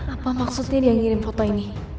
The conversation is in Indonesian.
apa maksudnya dia ngirim foto ini